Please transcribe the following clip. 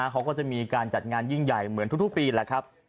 เขาก็จะมีการจัดงานยิ่งใหญ่เหมือนทุกปีแหละครับ